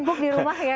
fibuk di rumah ya kan